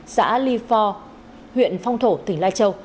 xã ly phò huyện phong thổ tỉnh lai châu